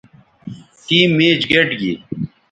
ٹیم میچ گئٹ گی